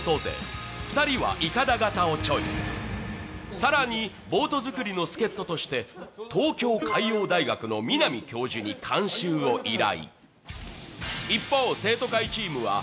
更に、ボート作りの助っととして東京海洋大学の南教授に監修を依頼。